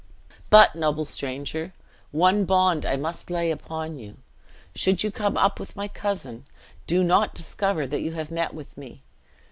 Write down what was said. But, noble stranger, one bond I must lay upon you; should you come up with my cousin, do not discover that you have met with me.